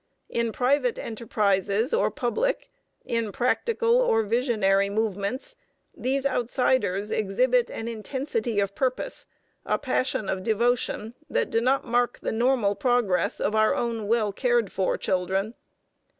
In private enterprises or public, in practical or visionary movements, these outsiders exhibit an intensity of purpose, a passion of devotion that do not mark the normal progress of our own well cared for children.